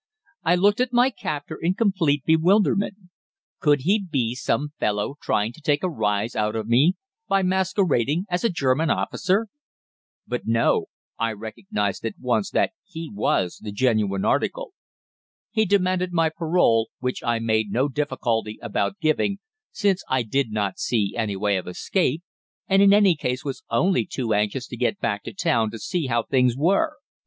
"I looked at my captor in complete bewilderment. Could he be some fellow trying to take a rise out of me by masquerading as a German officer? But no, I recognised at once that he was the genuine article. "He demanded my parole, which I made no difficulty about giving, since I did not see any way of escape, and in any case was only too anxious to get back to town to see how things were.